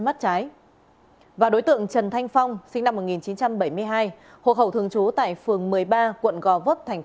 mắt trái và đối tượng trần thanh phong sinh năm một nghìn chín trăm bảy mươi hai hộ khẩu thường trú tại phường một mươi ba quận gò vấp thành